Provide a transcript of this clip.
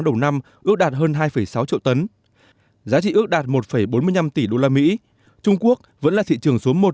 đầu năm ước đạt hơn hai sáu triệu tấn giá trị ước đạt một bốn mươi năm tỷ usd trung quốc vẫn là thị trường số một